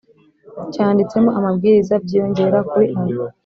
cyanditsemo amabwiriza byiyongera kuri aya